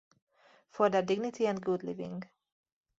For their dignity and good living.